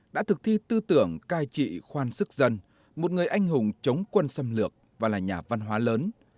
đã thực thi tư tưởng cai trị khoan sức dân một người anh hùng chống quân xâm lược và là nhà văn hóa lớn